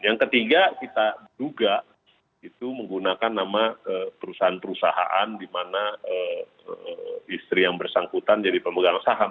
yang ketiga kita duga itu menggunakan nama perusahaan perusahaan di mana istri yang bersangkutan jadi pemegang saham